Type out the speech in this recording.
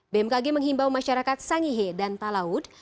bmkg menghimbau masyarakat sangihe dan talaut